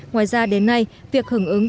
ngoài ra đến nay việc hứng ứng